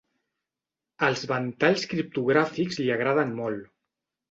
Els ventalls criptogràfics li agraden molt.